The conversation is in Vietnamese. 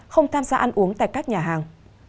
không tham gia ăn uống tại các nhà hàng